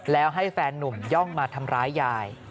แล้วให้แฟนนุ่มย่องมาทำร้ายยาย